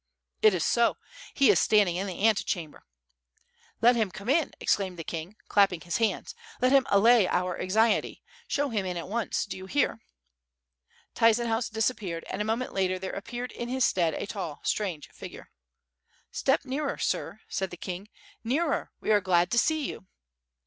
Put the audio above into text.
"It is so, he is standing in the antechamber." "Let him come in," exclaimed the king, clapping his hands, "let him allay our anxiety; show him in at once, do you hear?" Tyzenhauz disappeared, and a moment later there appeared in his stead, a tall, strange figure. "Step nearer, sir," said the king, "nearer, we are glad to see you."